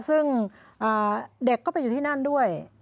ซึ่งเด็กก็ไปอยู่ที่นั่นด้วย